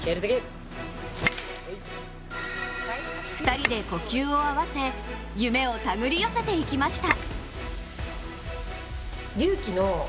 ２人で呼吸を合わせ夢をたぐり寄せていきました。